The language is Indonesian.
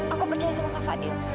aku percaya sama kak fadil